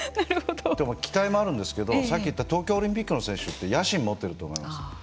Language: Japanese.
期待もあるんですけどさっき言った東京オリンピックの選手って野心持っていると思います。